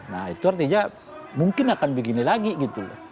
nah itu artinya mungkin akan begini lagi gitu loh